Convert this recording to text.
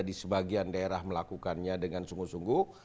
jadi sebagian daerah melakukannya dengan sungguh sungguh